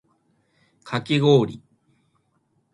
かきごおり